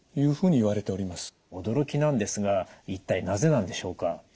驚きなんですが一体なぜなんでしょうか？